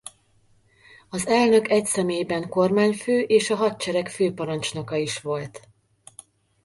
Az elnök egyszemélyben kormányfő és a hadsereg főparancsnoka is volt.